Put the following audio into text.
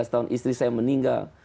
lima belas tahun istri saya meninggal